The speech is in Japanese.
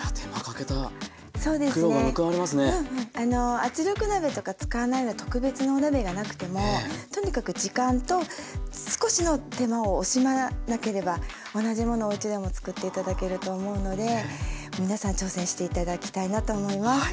圧力鍋とか使わないので特別なお鍋がなくてもとにかく時間と少しの手間を惜しまなければ同じものをおうちでも作って頂けると思うので皆さん挑戦して頂きたいなと思います。